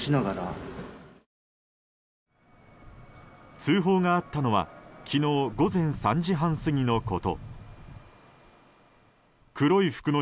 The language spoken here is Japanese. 通報があったのは昨日午前３時半過ぎのこと。